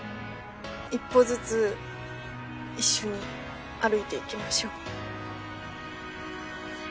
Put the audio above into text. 一歩ずつ一緒に歩いていきましょう。